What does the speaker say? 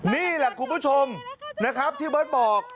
นี่แหละคุณผู้ชมที่เบิ๊ดบอก